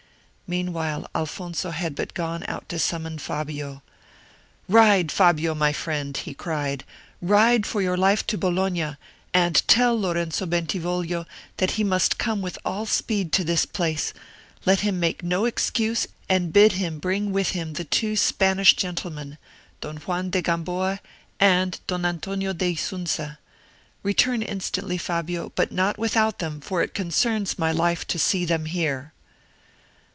Meanwhile Alfonso had but gone out to summon Fabio. "Ride Fabio, my friend," he cried, "ride for your life to Bologna, and tell Lorenzo Bentivoglio that he must come with all speed to this place; let him make no excuse, and bid him bring with him the two Spanish gentlemen, Don Juan de Gamboa and Don Antonio de Isunza. Return instantly, Fabio, but not without them, for it concerns my life to see them here."